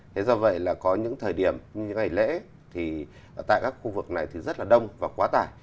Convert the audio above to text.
thế do vậy là có những thời điểm như ngày lễ thì tại các khu vực này thì rất là đông và quá tải